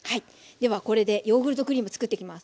ではこれでヨーグルトクリームつくっていきます。